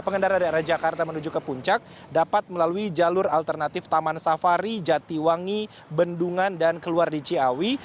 pengendara dari arah jakarta menuju ke puncak dapat melalui jalur alternatif taman safari jatiwangi bendungan dan keluar di ciawi